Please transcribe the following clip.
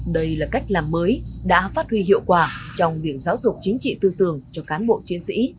đây là cách làm mới đã phát huy hiệu quả trong việc giáo dục chính trị tư tưởng cho cán bộ chiến sĩ